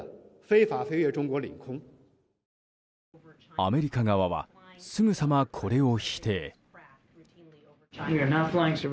アメリカ側はすぐさま、これを否定。